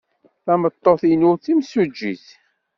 Tameṭṭut-inu d timsujjit.